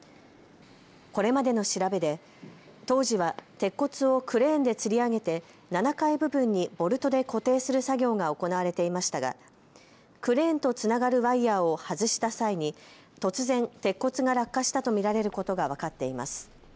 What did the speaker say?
これまでの調べで当時は鉄骨をクレーンでつり上げて７階部分にボルトで固定する作業が行われていましたがクレーンとつながるワイヤーを外した際に突然、鉄骨が落下したと見られることが分かっています。